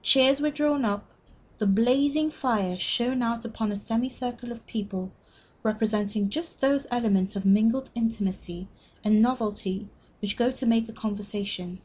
Chairs were drawn up. The blazing fire shone out upon a semicircle of people representing just those elements of mingled intimacy and novelty which go to make conversation.